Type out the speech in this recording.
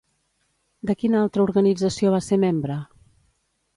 De quina altra organització va ser membre?